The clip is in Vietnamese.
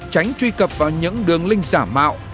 tránh truy cập vào những đường link giả mạo